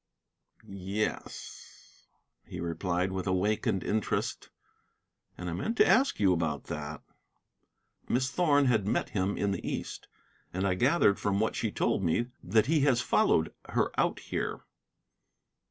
"Yes," he replied with awakened interest, "and I meant to ask you about that." "Miss Thorn had met him in the East. And I gathered from what she told me that he has followed her out here."